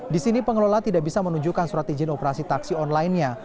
di sini pengelola tidak bisa menunjukkan surat izin operasi taksi online nya